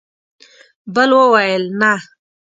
بل وویل: نه!